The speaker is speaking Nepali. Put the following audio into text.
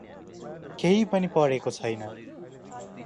केही पनि पढेको छैन ।